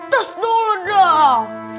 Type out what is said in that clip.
terus dulu dong